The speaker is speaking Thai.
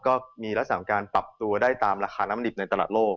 ก็มีลักษณะของการปรับตัวได้ตามราคาน้ำดิบในตลาดโลก